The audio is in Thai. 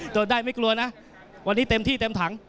จอดได้ไม่กลัวนะวันนี้เต็มที่เต็มถัง